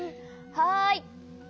はい！